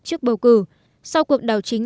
trước bầu cử sau cuộc đảo chính